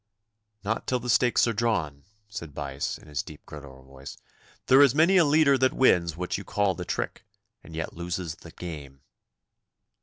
'Not till the stakes are drawn,' said Buyse, in his deep guttural voice. 'There is many a leader that wins what you call the trick, and yet loses the game.